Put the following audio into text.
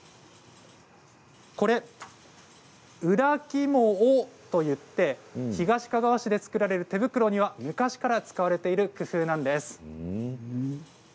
これは裏起毛といって東かがわ市で作られる手袋には昔から使われている工夫なんです。